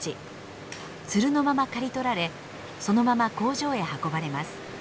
ツルのまま刈り取られそのまま工場へ運ばれます。